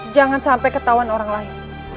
jangan sampai ketahuan orang lain